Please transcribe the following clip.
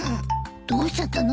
どうしちゃったの？